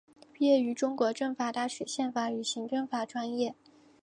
毕业于中国政法大学宪法与行政法专业。